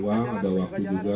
berkualitas bersama keluarga